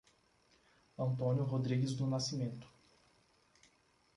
Antônio Rodrigues do Nascimento